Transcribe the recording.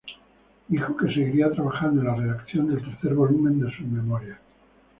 Dijo que seguiría trabajando en la redacción del tercer volumen de sus memorias.